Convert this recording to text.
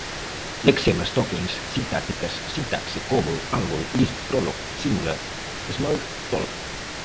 lexemas, tokens, sintáticas, sintaxe, cobol, algol, lisp, prolog, simula, smalltalk